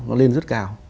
nó lên rất cao